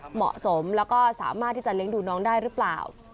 เหมาะสมแล้วก็สามารถที่จะเลี้ยงดูน้องได้หรือเปล่า